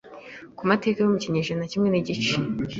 ku mateka yo mu kinyejana Kimwe nigice